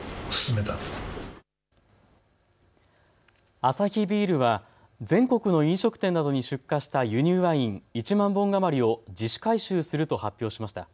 アサヒビールは全国の飲食店などに出荷した輸入ワイン１万本余りを自主回収すると発表しました。